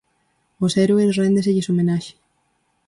Aos heroes réndeselles homenaxe.